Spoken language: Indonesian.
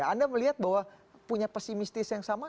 anda melihat bahwa punya pesimistis yang sama